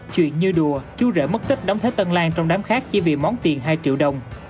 chuyện như đùa chú rể mất tích đám thế tân lan trong đám khác chỉ vì món tiền hai triệu đồng